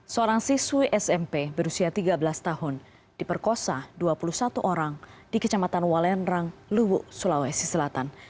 seorang siswi smp berusia tiga belas tahun diperkosa dua puluh satu orang di kecamatan walenrang luwu sulawesi selatan